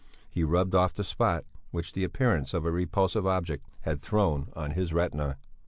he rubbed off the spot which the appearance of a repulsive object had thrown on his retina.